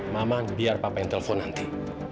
mama biar papa yang telepon nanti